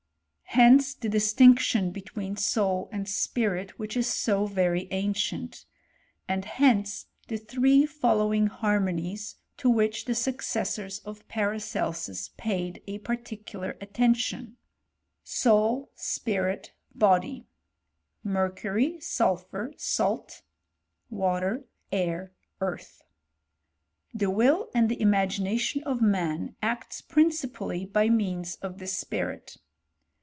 Hence the dis tinction between soul and spirit, which is so very an cient; and hence the three following harmonies to which the successors of Paracelsus paid a particular attention : Soul, Spirit^ Body, Mercury, Sulphur, Salt, Water, Air, Earth, The will and the imagination of man acts principally by means of the spirit.